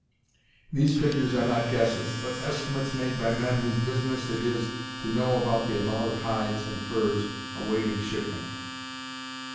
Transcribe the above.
These figures are not guesses, but estimates made by men whose business it is to know about the amount of hides and furs awaiting shipment.